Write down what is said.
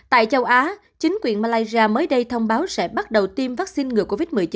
tại châu á chính quyền malaysia mới đây thông báo sẽ bắt đầu tiêm vaccine ngừa covid một mươi chín